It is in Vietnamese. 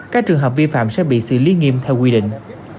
các trường hợp vi phạm sẽ bị xử lý nghiêm theo quy định